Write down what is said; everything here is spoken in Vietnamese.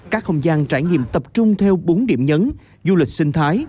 các không gian trải nghiệm tập trung theo bốn điểm nhấn du lịch sinh thái